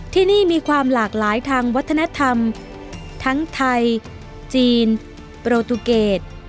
ที่นี่มีความหลากหลายทางวัฒนธรรมทั้งไทยจีนโปรตูเกต